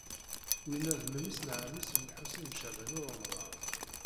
Winna d memmi-s n ɛemmi-s n Lḥusin n Caɛban u Ṛemḍan.